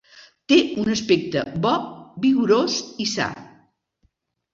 Té un aspecte bo, vigorós i sa.